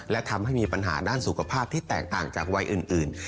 และทำให้มีปัญหาด้านสุขภาพที่แตกต่างจากวัยอื่น